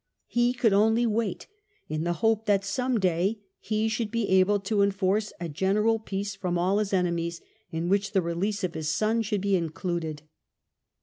He could only wait, in the hope that some day he should be able to enforce a general peace from all his enemies, in which the release of his son should be included.